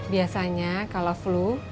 biasanya kalau flu